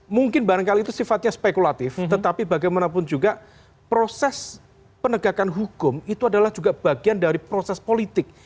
mungkin barangkali itu sifatnya spekulatif tetapi bagaimanapun juga proses penegakan hukum itu adalah juga bagian dari proses politik